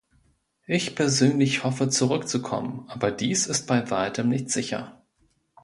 Ich persönlich hoffe zurückzukommen, aber dies ist bei Weitem nicht sicher.